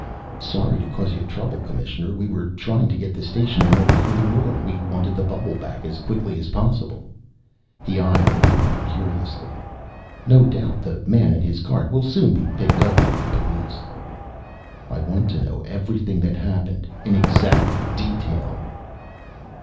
"Sorry to cause you trouble, Commissioner. We were trying to get the station in order for the war. We wanted the bubble back as quickly as possible." He eyed Reinhart curiously. "No doubt the man and his cart will soon be picked up by your police." "I want to know everything that happened, in exact detail."